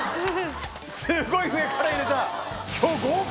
すっごい上から入れた！